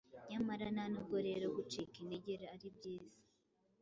Nyamara ntanubwo rero gucika integer aribyiza,